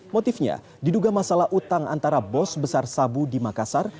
motifnya diduga masalah utang antara bos besar sabu di makassar